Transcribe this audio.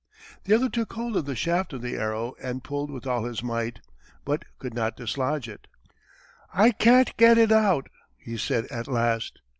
The other took hold of the shaft of the arrow and pulled with all his might, but could not dislodge it. "I can't get it out," he said, at last.